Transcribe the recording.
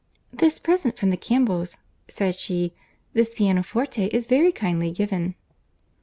"This present from the Campbells," said she—"this pianoforte is very kindly given."